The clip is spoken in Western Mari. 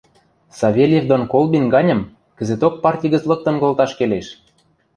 — Савельев дон Колбин ганьым — кӹзӹток парти гӹц лыктын колташ келеш!